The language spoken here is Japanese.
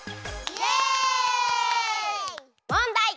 もんだい！